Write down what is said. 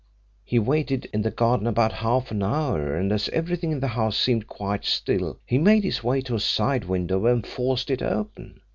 He waited in the garden about half an hour, and as everything in the house seemed quite still, he made his way to a side window and forced it open.